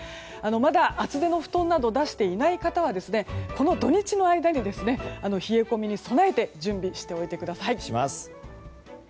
まだ厚手の布団など出していない人はこの土日の間に冷え込みに備えて準備しておいてください。